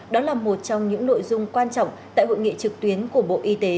đó là một trong những nội dung quan trọng tại hội nghị trực tuyến của bộ y tế